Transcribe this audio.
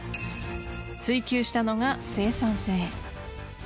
追求したのが生産性。